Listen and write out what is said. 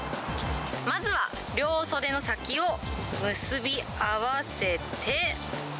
まずは両袖の先を結び合わせて。